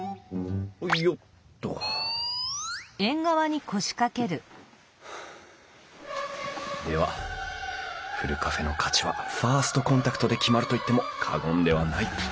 およっとではふるカフェの価値はファーストコンタクトで決まると言っても過言ではない。